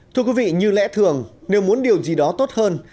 thưa quý vị như lẽ thường nếu muốn điều gì đó tốt hơn